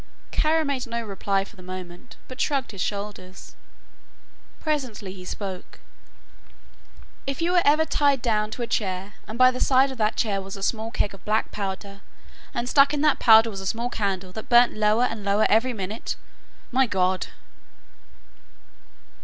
Kara made no reply for the moment, but shrugged his shoulders. Presently he spoke. "If you were ever tied down to a chair and by the side of that chair was a small keg of black powder and stuck in that powder was a small candle that burnt lower and lower every minute my God!"